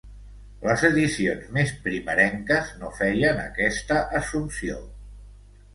Les edicions més primerenques no feien aquesta assumpció.